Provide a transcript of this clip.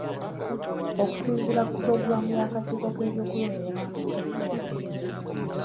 Okusinziira ku pulogulaamu y'akakiiko k'ebyokulonda eyalambikidwa.